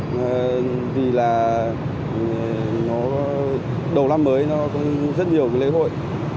người tham gia giao thông vì là đầu năm mới nó có rất nhiều lễ hội